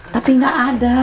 tapi gak ada